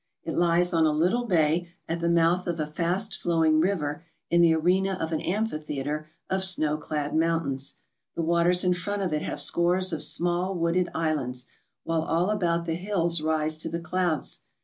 It lies on a little bay at the mouth of a fast flowing river in the arena of an amphitheatre of snow clad mountains. The waters in front of it have scores of small wooded islands, while all about the hills rise to the clouds.